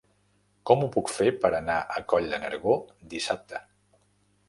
Com ho puc fer per anar a Coll de Nargó dissabte?